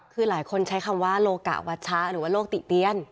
คือหลายคนใช้คำว่าโลกะวัชชะหรือว่าโลกติเตียน